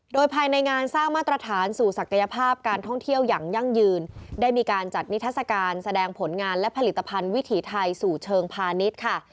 โดยภายในงานสร้างมาตรฐานสู่ศักยภาพการท่องเที่ยวอย่างยั่งยืนได้มีการจัดนิทัศกาลแสดงผลงานและผลิตภัณฑ์วิถีไทยสู่เชิงพาณิชย์ค่ะ